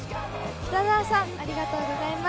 北澤さん、ありがとうございます。